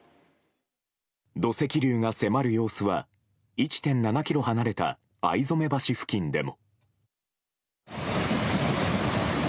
土石流が迫る様子は１．７ｋｍ離れた逢初橋付近でも。